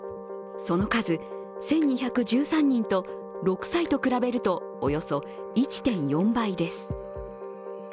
その数、１２１３人と６歳と比べるとおよそ１．４倍です。